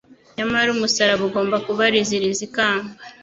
Nyamara umusaraba ugomba kubariziriza ikamba.